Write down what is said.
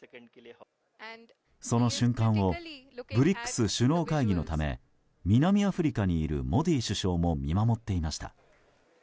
その瞬間をＢＲＩＣＳ首脳会議のため南アフリカにいるモディ首相も見守っていました。